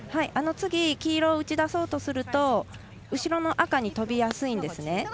あの次黄色を打ち出そうとすると後ろの赤に飛びやすいんですね。